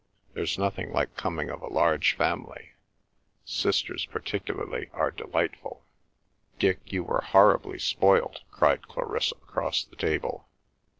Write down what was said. There's nothing like coming of a large family. Sisters particularly are delightful." "Dick, you were horribly spoilt!" cried Clarissa across the table.